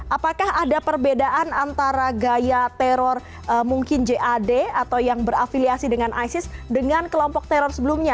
apakah ada perbedaan antara gaya teror mungkin jad atau yang berafiliasi dengan isis dengan kelompok teror sebelumnya